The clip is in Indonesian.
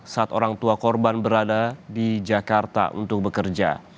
saat orang tua korban berada di jakarta untuk bekerja